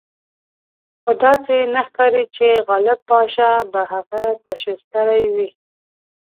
خو داسې نه ښکاري چې غالب پاشا به هغه تشویق کړی وي.